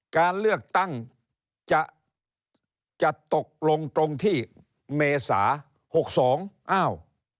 การเลือกตั้งจะตกลงตรงที่เมษา๖๒อ้าว